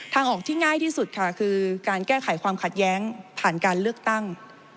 ทางออกที่ง่ายที่สุดค่ะคือการแก้ไขความขัดแย้งผ่านการเลือกตั้ง